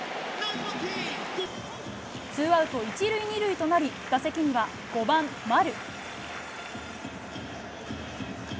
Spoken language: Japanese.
ツーアウト１塁２塁となり打席には５番丸。